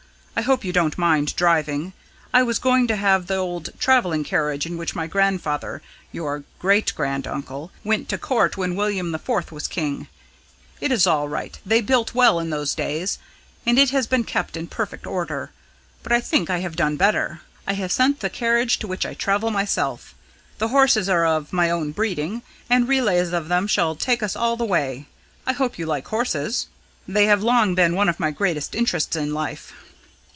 I hope you don't mind driving? I was going to have the old travelling carriage in which my grandfather, your great grand uncle, went to Court when William IV. was king. It is all right they built well in those days and it has been kept in perfect order. But I think I have done better: I have sent the carriage in which I travel myself. The horses are of my own breeding, and relays of them shall take us all the way. I hope you like horses? They have long been one of my greatest interests in life."